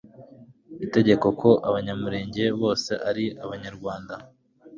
itegeka ko Abanyamulenge bose ari Abanyarwanda